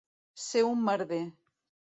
Ser un merder.